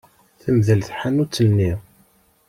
Temdel tḥanut-nni.